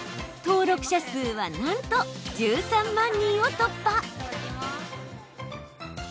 登録者数はなんと１３万人を突破！